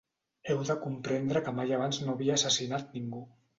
Heu de comprendre que mai abans no havia assassinat ningú.